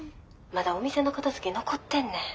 まだお店の片づけ残ってんねん。